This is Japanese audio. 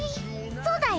そうだよ。